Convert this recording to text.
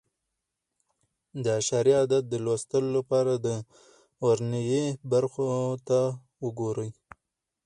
د اعشاري عدد د لوستلو لپاره د ورنيې برخو ته وګورئ.